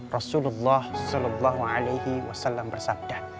rasulullah saw bersabda